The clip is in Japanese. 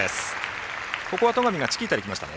ここは戸上がチキータできましたね。